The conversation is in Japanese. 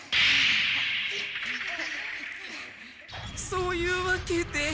そういうわけで。